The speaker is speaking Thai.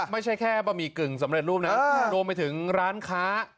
ไม่ใช่แค่บะหมี่กึ่งสำเร็จรูปนะรวมไปถึงร้านค้า